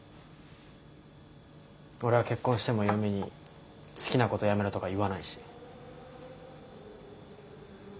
俺は結婚しても嫁に好きなことやめろとか言わないし。